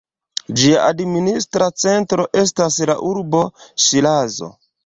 Ĝia administra centro estas la urbo Ŝirazo.